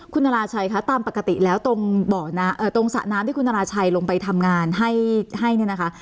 คุณนราชัยคะตามปกติแล้วตรงสระน้ำที่คุณธนาชัยลงไปทำงานให้เนี่ยนะคะ